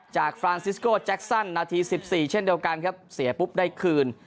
ฟรานซิสโก้แจ็คซันนาที๑๔เช่นเดียวกันครับเสียปุ๊บได้คืน